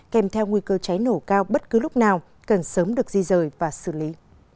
kèm theo nguy cơ cháy nổ cao bất cứ lúc nào cần sớm được di rời và xử lý